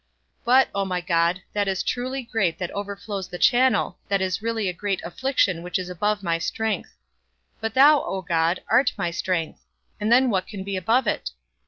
But, O my God, that is truly great that overflows the channel, that is really a great affliction which is above my strength; but thou, O God, art my strength, and then what can be above it?